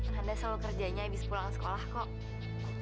anda selalu kerjanya abis pulang sekolah kok